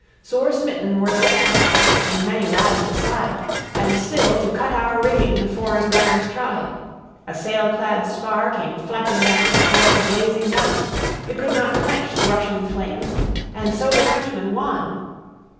Sore smitten were both captains, and many lads beside, And still to cut our rigging the foreign gunners tried. A sail clad spar came flapping down athwart a blazing gun; We could not quench the rushing flames, and so the Frenchman won.